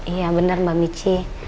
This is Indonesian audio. iya bener mbak mici